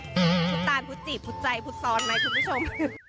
ชุดตาลพุจิพุทจัยพุทศรไหมคุณผู้ชม